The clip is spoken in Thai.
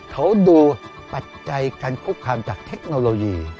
เขาดูปัจจัยการคุกคามจากเทคโนโลยี